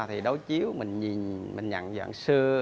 thì đối chiếu mình nhận dạng xưa